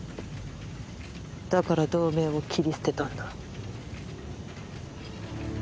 だから同盟を切り捨てたんだ。